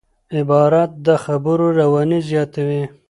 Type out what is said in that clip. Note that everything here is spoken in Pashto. عبارت د خبرو رواني زیاتوي.